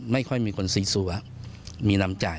ไม่ค่อยมีคนซีซัวร์มีน้ำใจ